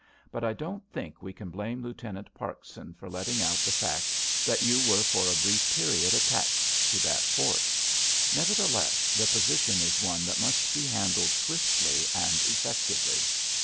But I don't think we can blame Lieutenant Parkson for letting out the fact that you were for a brief period attached to that fort. Nevertheless the position is one that must be handled swiftly and effectively."